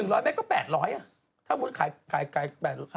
แล้วมีลูกสาวเลยเป็นตุ๊ดขึ้นทุกวัน